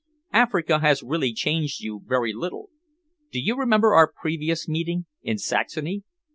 Africa has really changed you very little. Do you remember our previous meeting, in Saxony?"